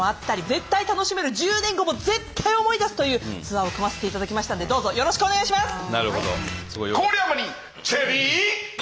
絶対楽しめる１０年後も絶対思い出すというツアーを組ませていただきましたのでどうぞよろしくお願いします！